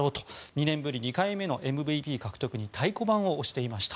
２年ぶり２回目のＭＶＰ獲得に太鼓判を押していました。